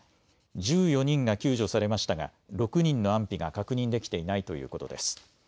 １４人が救助されましたが６人の安否が確認できていないということです。